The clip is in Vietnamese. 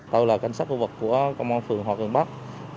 tôi là cảnh sát khu vực của công an phường học đường bắc